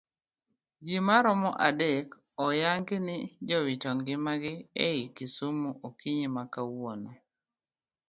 Jii maromo adek oyangi ni jowito ngimagi ei kisumu okinyi makawuono